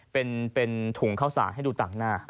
เป็นเป็นถุงเค้าส่าให้ดูต่างหน้า